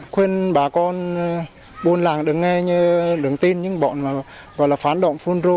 khuyên bà con buôn làng được nghe như lưỡng tin những bọn phản động phun rô